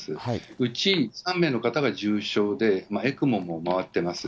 うち３名の方が重症で、ＥＣＭＯも回ってます。